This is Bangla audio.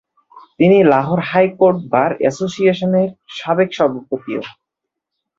তিনি Lahore high court bar association এর সাবেক সভাপতিও।